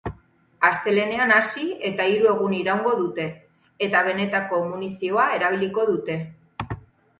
Astelehenean hasi eta hiru egun iraungo dute, eta benetako munizioa erabiliko dute.